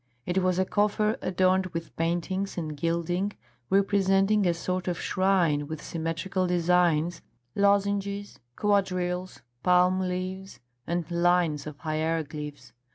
It was a coffer adorned with paintings and gilding, representing a sort of shrine with symmetrical designs, lozenges, quadrilles, palm leaves, and lines of hieroglyphs.